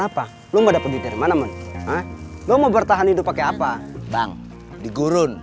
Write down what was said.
apa lu nggak ada pendidik mana men a mau bertahan hidup pakai apa bang di gurun